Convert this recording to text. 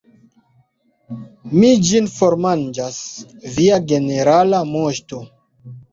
Mi ĝin formanĝas, Via Generala Moŝto.